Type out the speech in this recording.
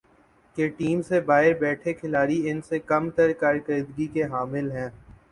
کہ ٹیم سے باہر بیٹھے کھلاڑی ان سے کم تر کارکردگی کے حامل ہیں ۔